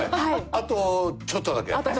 あとちょっとだけ。